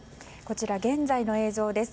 現在の映像です。